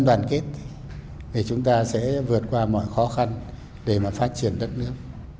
đoàn kết thì chúng ta sẽ vượt qua mọi khó khăn để mà phát triển đất nước